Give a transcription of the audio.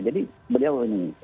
jadi beliau ini